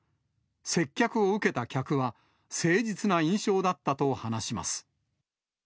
接客を受けた客は、誠実な印象だったと話します。